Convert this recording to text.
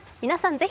皆さん